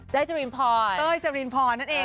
เต้ยจุรินพรนั่นเอง